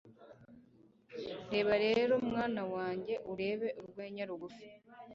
Reba rero mwana wanjye urebe urwenya rugufi